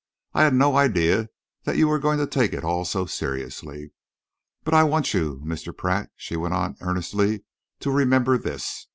I had no idea that you were going to take it all so seriously. But I want you, Mr. Pratt," she went on earnestly, "to remember this.